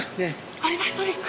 アアリバイトリック？